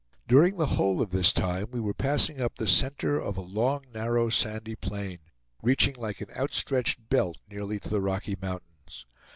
During the whole of this time we were passing up the center of a long narrow sandy plain, reaching like an outstretched belt nearly to the Rocky Mountains.